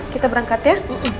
kita berangkat ya